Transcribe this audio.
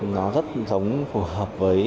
nó rất giống phù hợp với